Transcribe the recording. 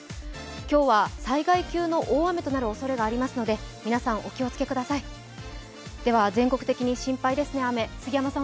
今日は災害級の大雨となるおそれがありますので皆さん、お気をつけください全国的に心配ですね、雨。